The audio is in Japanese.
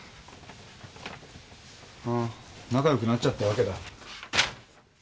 あぁ仲よくなっちゃったわけだ。